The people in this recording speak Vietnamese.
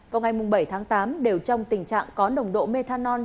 vào ngày bảy tháng tám đều trong tình trạng có nồng độ methanol trong máu rất cao